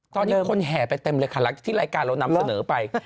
ตอนนี้คนแห่ไปเต็มลึกลักษณ์ที่รายการเรานำเสนอไป